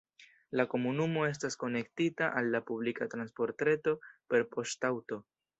La komunumo estas konektita al la publika transportreto per poŝtaŭto.